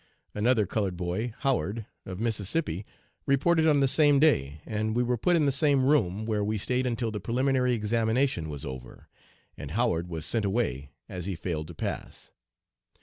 Another colored boy, Howard, of Mississippi, reported on the same day, and we were put in the same room, where we stayed until the preliminary examination was over, and Howard was sent away, as he failed to pass.